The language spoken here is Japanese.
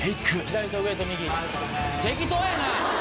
左と上と右適当やなぁ